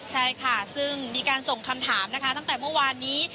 ใช่ค่ะซึ่งมีการส่งคำถามนะคะตั้งแต่เมื่อวานนี้